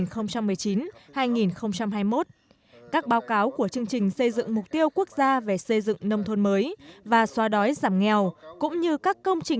năm hai nghìn một mươi sáu hai nghìn hai mươi một bao gồm phát triển kinh tế xã hội tài chính quốc gia đầu tư công trung hạn đánh giá kết quả ba năm triển khai thực hiện các nghị quyết của quốc hội về kế hoạch năm năm triển khai thực hiện các nghị quyết của quốc hội